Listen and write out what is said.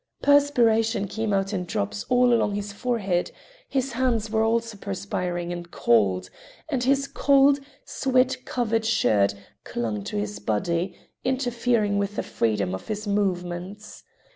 Perspiration came out in drops all along his forehead; his hands were also perspiring and cold, and his cold, sweat covered shirt clung to his body, interfering with the freedom of his movements.